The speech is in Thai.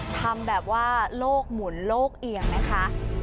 ทำแบบว่าโลกหมุนโลกเอียงนะคะ